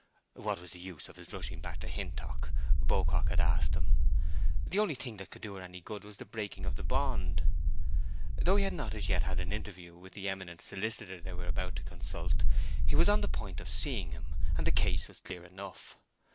What was the use of his rushing back to Hintock? Beaucock had asked him. The only thing that could do her any good was a breaking of the bond. Though he had not as yet had an interview with the eminent solicitor they were about to consult, he was on the point of seeing him; and the case was clear enough.